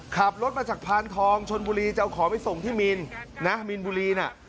ขับรถมาจากพานทองชนบุรีจะเอาของไปส่งที่มีนนะมีนบุรีน่ะ